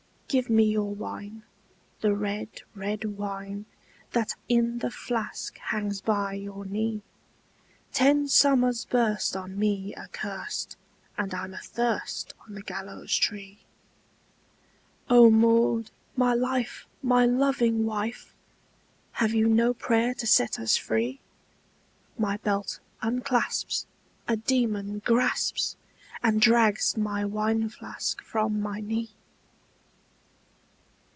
"Give me your wine, the red, red wine, That in the flask hangs by your knee! Ten summers burst on me accurst, And I'm athirst on the gallows tree." "O Maud, my life! my loving wife! Have you no prayer to set us free? My belt unclasps, a demon grasps And drags my wine flask from my knee!"